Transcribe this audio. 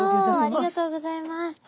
ありがとうございます。